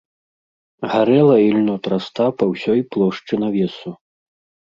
Гарэла ільнотраста па ўсёй плошчы навесу.